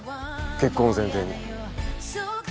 結婚を前提に。